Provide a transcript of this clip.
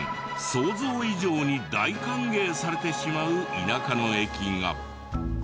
想像以上に大歓迎されてしまう田舎の駅が。